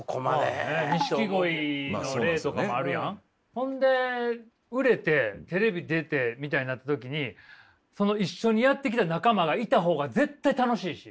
ほんで売れてテレビ出てみたいになった時にその一緒にやってきた仲間がいた方が絶対楽しいし。